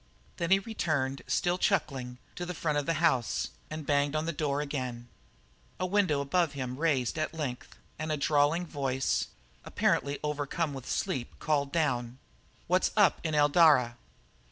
Then he returned, still chuckling, to the front of the house, and banged again on the door. A window above him raised at length and a drawling voice, apparently overcome with sleep, called down: "What's up in Eldara?"